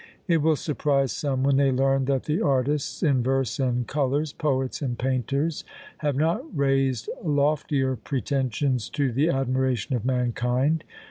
It will surprise some when they learn that the artists in verse and colours, poets and painters, have not raised loftier pretensions to the admiration of mankind.